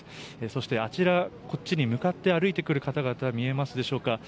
そして、あちらこっちに向かって歩いてくる方々見えるでしょうか。